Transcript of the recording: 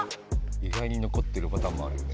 いがいに残ってるパターンもあるよね。